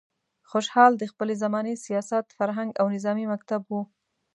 خوشحال د خپلې زمانې سیاست، فرهنګ او نظامي مکتب و.